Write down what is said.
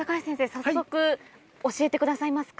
早速教えてくださいますか。